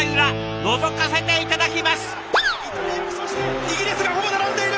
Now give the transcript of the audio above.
そしてイギリスがほぼ並んでいる！